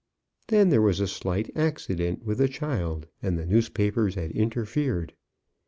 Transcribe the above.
Then there was a slight accident with a child, and the newspapers had interfered.